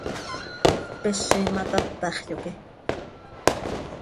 Tpezi ma, tatax, yoque.